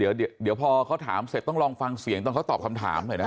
เดี๋ยวพอเขาถามเสร็จต้องลองฟังเสียงตอนเขาตอบคำถามหน่อยนะ